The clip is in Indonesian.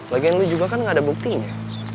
lagian lo juga kan gak ada buktinya